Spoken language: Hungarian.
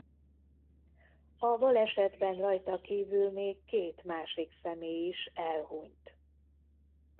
A balesetben rajta kívül még két másik személy is elhunyt.